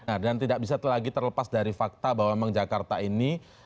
nah dan tidak bisa lagi terlepas dari fakta bahwa memang jakarta ini